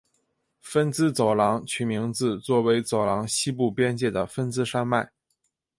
芬兹走廊取名自作为走廊西部边界的芬兹山脉。